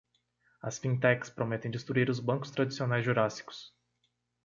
As fintechs prometem destruir os bancos tradicionais jurássicos